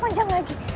kamu sudah mahu